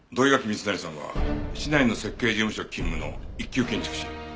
光成さんは市内の設計事務所勤務の一級建築士。